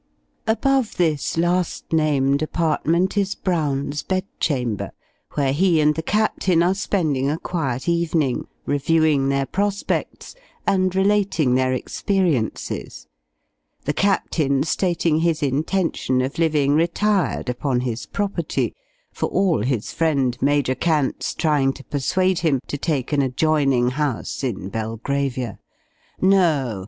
Above this last named apartment is Brown's bedchamber, where he and the Captain are spending a quiet evening, reviewing their prospects and relating their experiences: the Captain stating his intention of living retired upon his property, for all his friend Major Cant's trying to persuade him to take an adjoining house in Belgravia. No!